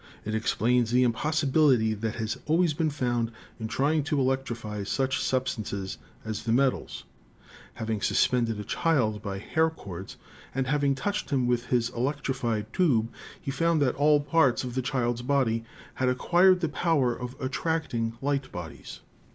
It explains the impossibility that had always been found in trying to electrify such substances as the metals. Having suspended a child by hair cords, and having touched him with his electrified tube, he found that all parts of the child's body had acquired the power Fig. 4 — The Conductivity of the Human Body : Experiment. Gray's of attracting light bodies.